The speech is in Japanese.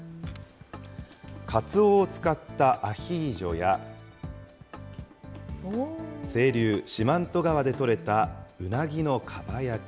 カツオを使ったアヒージョや、清流、四万十川で取れたうなぎのかば焼き。